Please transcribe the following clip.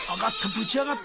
ぶち上がった。